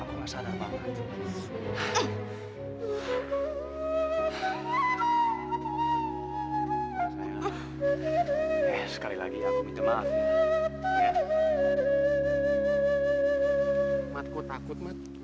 mat kau takut mat